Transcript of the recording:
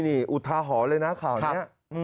นี่อุทาหรณ์เลยนะข่าวนี้